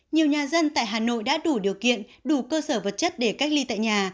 nhiều nhà dân tại hà nội đã đủ điều kiện đủ cơ sở vật chất để cách ly tại nhà